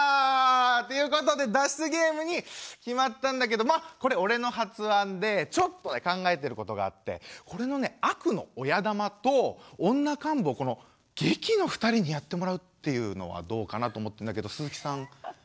ということで脱出ゲームに決まったんだけどまあこれ俺の発案でちょっと考えてることがあってこれのね悪の親玉と女幹部をこの劇の２人にやってもらうっていうのはどうかなと思ってんだけどすずきさんあ大丈夫？